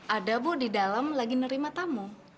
ada bu di dalam lagi nerima tamu